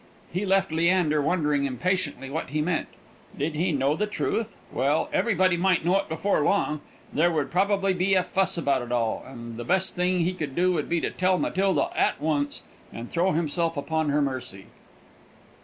He left Leander wondering impatiently what he meant. Did he know the truth? Well, everybody might know it before long; there would probably be a fuss about it all, and the best thing he could do would be to tell Matilda at once, and throw himself upon her mercy.